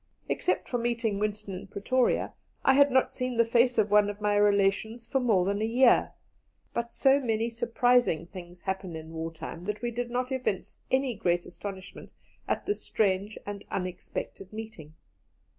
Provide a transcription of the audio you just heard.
Except for meeting Winston in Pretoria, I had not seen the face of one of my relations for more than a year, but so many surprising things happen in wartime that we did not evince any great astonishment at this strange and unexpected meeting.